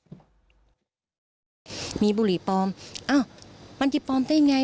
อ่ะมันมีบุหรี่ปลอมช่วงไหน